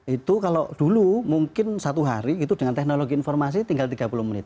itu kalau dulu mungkin satu hari itu dengan teknologi informasi tinggal tiga puluh menit